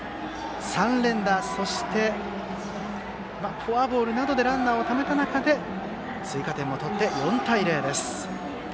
３連打、フォアボールなどでランナーをためた中で追加点も取って４対０です。